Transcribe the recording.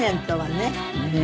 ねえ。